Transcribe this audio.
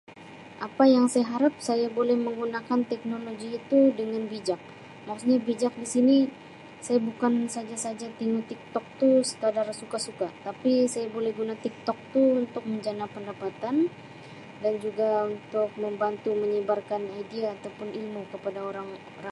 Apa yang saya harap saya boleh menggunakan teknologi itu dengan bijak maksudnya bijak di sini saya bukan saja-saja tingu Tik Tok tu sekadar suka-suka tapi saya boleh guna Tik Tok tu untuk menjana pendapatan dan juga untuk membantu mnyebarkan idea atau pun ilmu kepada orang ram